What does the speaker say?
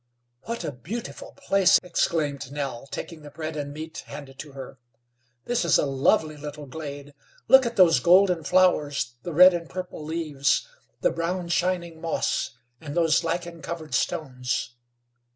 "What a beautiful place," exclaimed Nell, taking the bread and meat handed to her. "This is a lovely little glade. Look at those golden flowers, the red and purple leaves, the brown shining moss, and those lichen covered stones.